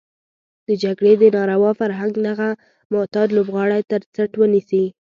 د جګړې د ناروا فرهنګ دغه معتاد لوبغاړی تر څټ ونيسي.